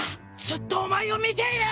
ずっとお前を見ている！